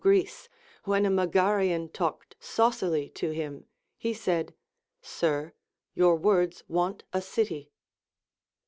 Greece, when a Megarian talked saucily to him, he said, Sir, your words Avant a city.